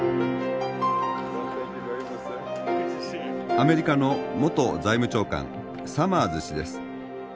アメリカの元財務長官サマーズ氏です。